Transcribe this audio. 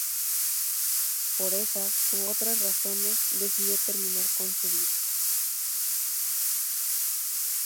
Por esas u otras razones, decidió terminar con su vida.